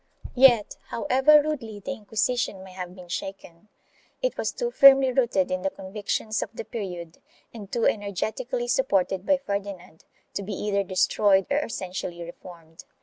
1 Yet, however rudely the Inquisition may have been shaken, it was too firmly rooted in the convictions of the period and too energetically supported by Ferdinand to be either destroyed or essentially reformed.